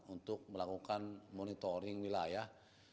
untuk melakukan monitoring wilayah